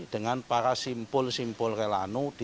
dengan para simpul simpul relawan